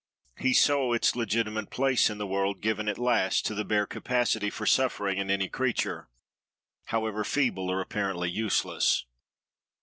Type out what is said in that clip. He saw its legitimate place in the world given at last to the bare capacity for suffering in any creature, however feeble or apparently useless.